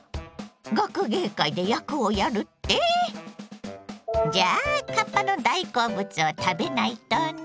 学芸会で役をやるって⁉じゃあかっぱの大好物を食べないとね。